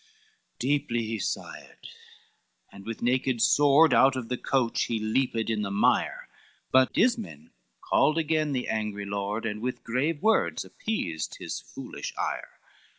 XXVII Deeply he sighed, and with naked sword Out of the coach he leaped in the mire, But Ismen called again the angry lord, And with grave words appeased his foolish ire.